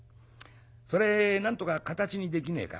それなんとか形にできねえか？」。